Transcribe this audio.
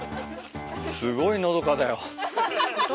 すごいのどかだよ。